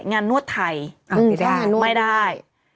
นวดไทยไม่ได้